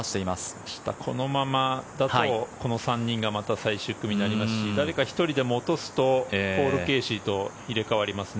明日このままだとこの３人がまた最終組になりますし誰か１人でも落とすとポール・ケーシーと入れ替わりますね。